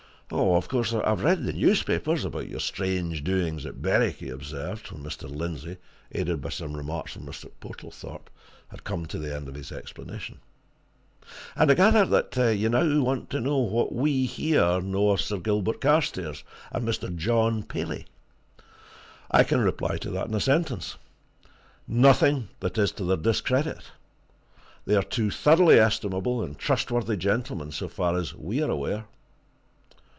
"Of course, I've read the newspapers about your strange doings at Berwick," he observed, when Mr. Lindsey aided by some remarks from Mr. Portlethorpe had come to the end of his explanation. "And I gather that you now want to know what we, here, know of Sir Gilbert Carstairs and Mr. John Paley. I can reply to that in a sentence nothing that is to their discredit! They are two thoroughly estimable and trustworthy gentlemen, so far as we are aware."